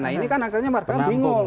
nah ini kan akhirnya martam bingung